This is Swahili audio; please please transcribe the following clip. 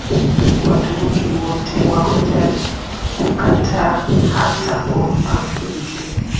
Waturuki wote Wako tayari kukataa hata ofa nzuri